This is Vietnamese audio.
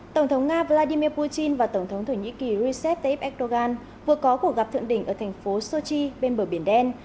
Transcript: tổng thống nga vladimir putin và tổng thống thổ nhĩ kỳ recep tayyip erdogan vừa có cuộc gặp thượng đỉnh ở thành phố sochi bên bờ biển đen